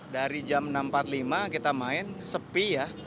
dari jam enam empat puluh lima kita main sepi ya